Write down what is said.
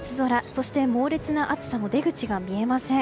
そして、猛烈な暑さも出口が見えません。